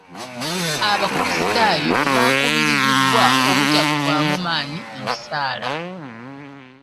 Abakulisitaayo bakubirizibwa obutaggwaamu maanyi mu ssaala.